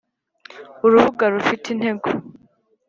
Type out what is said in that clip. urubuga rufite intego